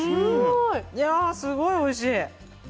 すごいおいしい！